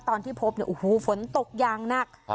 ตอนที่พบเนี่ยฝนตกยางนัก